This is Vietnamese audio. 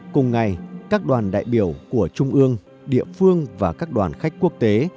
cùng ngày các đoàn đại biểu của trung ương địa phương và các đoàn khách quốc tế